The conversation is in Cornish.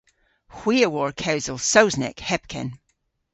Hwi a wor kewsel Sowsnek hepken.